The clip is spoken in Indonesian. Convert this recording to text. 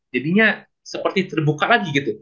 jadinya seperti terbuka lagi gitu